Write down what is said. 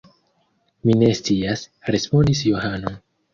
Mi ne scias, respondis Johano.